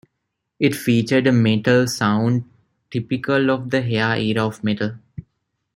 It featured a metal sound typical of the hair era of metal.